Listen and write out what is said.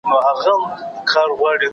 د لارښود ځان ښودنه نه زغمل کېږي.